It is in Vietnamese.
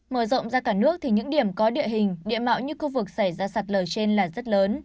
mở rộng ra cả nước thì những điểm có địa hình địa mạo như khu vực xảy ra sạt lở trên là rất lớn